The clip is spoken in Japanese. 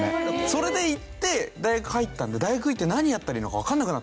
それでいって大学入ったんで大学行って何やったらいいのかわかんなくなったんですよ。